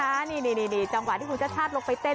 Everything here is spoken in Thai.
อ้าวนี่นะคะนี้นี้จังหวะที่คุณชัชชาติลงไปเต้น